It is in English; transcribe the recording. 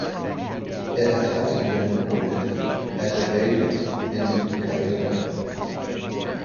It has also been recorded as a vagrant in New Caledonia.